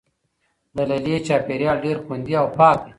د لیلیې چاپیریال ډیر خوندي او پاک دی.